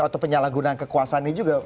atau penyalahgunaan kekuasaan ini juga